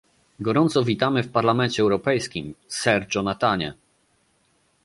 Gorąco witamy w Parlamencie Europejskim, Sir Jonathanie!